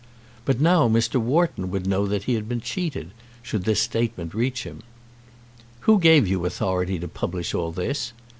But now Mr. Wharton would know that he had been cheated, should this statement reach him. "Who gave you authority to publish all this?"